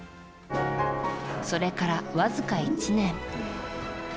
それから、わずか１年。